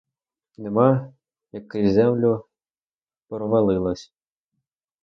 Нема, як крізь землю провалилось.